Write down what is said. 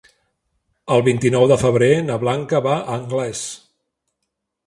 El vint-i-nou de febrer na Blanca va a Anglès.